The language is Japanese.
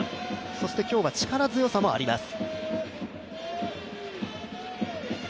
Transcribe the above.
そして今日は力強さもあります。